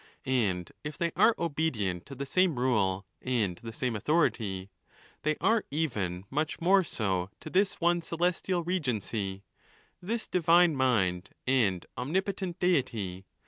And if they are obedient to the same rule and the same authority, they are even much more so to this one celestial regency, this divine mind and omnipotent deity.